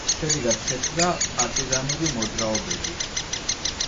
შედეგად შეწყდა პარტიზანული მოძრაობები.